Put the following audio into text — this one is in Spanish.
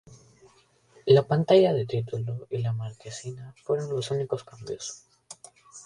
La pantalla de título y la marquesina fueron los únicos cambios.